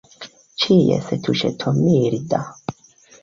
Ĉies tuŝeto – milda.